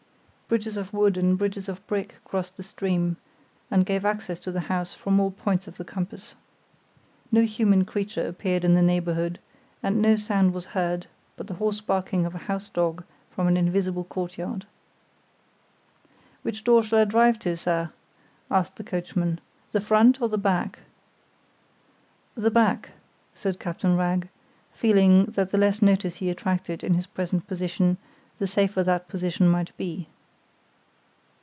Bridges of wood and bridges of brick crossed the stream, and gave access to the house from all points of the compass. No human creature appeared in the neighborhood, and no sound was heard but the hoarse barking of a house dog from an invisible courtyard. "Which door shall I drive to, sir?" asked the coachman. "The front or the back?" "The back," said Captain Wragge, feeling that the less notice he attracted in his present position, the safer that position might be.